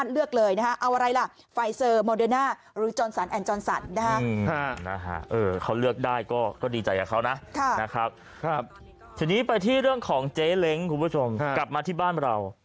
ทีนี้ไปที่เรื่องของเจ๊เล้งคุณผู้ชมกลับมาที่บ้านเรา